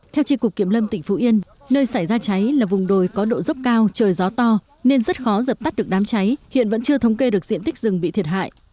theo tri cục kiểm lâm tỉnh phú yên nơi xảy ra cháy là vùng đồi có độ dốc cao trời gió to nên rất khó dập tắt được đám cháy hiện vẫn chưa thống kê được diện tích rừng bị thiệt hại